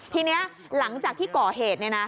ทีนี้หลังจากที่ก่อเหตุ